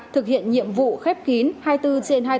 thực hiện nhiệm vụ khép kín hai mươi bốn trên hai mươi bốn